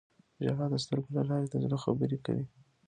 • ژړا د سترګو له لارې د زړه خبرې کوي.